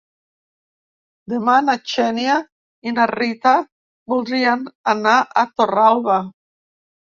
Demà na Xènia i na Rita voldrien anar a Torralba.